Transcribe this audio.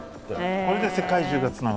これで世界中がつながってる。